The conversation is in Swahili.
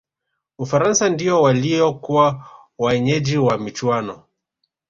ufaransa ndiyo waliyokuwa waenyeji wa michuano